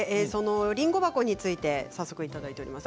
りんご箱について早速いただいています。